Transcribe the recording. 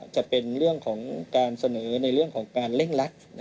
จะเป็นเรื่องของการเสนอในเรื่องของการเร่งรัด